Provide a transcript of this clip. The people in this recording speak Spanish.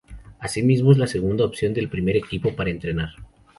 Asimismo es la segunda opción del primer equipo para entrenar.